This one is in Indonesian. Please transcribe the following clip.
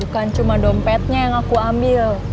bukan cuma dompetnya yang aku ambil